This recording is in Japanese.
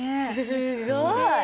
すごい。